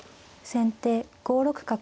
先手５六角。